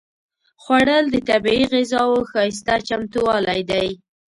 خوړل د طبیعي غذاوو ښايسته چمتووالی دی